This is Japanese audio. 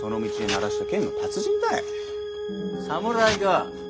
侍か。